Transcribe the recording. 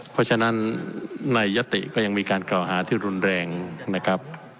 เพราะฉะนั้นในยติก็ยังมีการกล่าวหาที่รุนแรงนะครับ